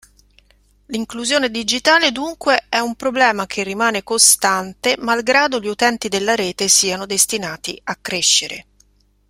L'Inclusione Digitale dunque è un problema che rimane costante malgrado gli utenti della rete siano destinati a crescere.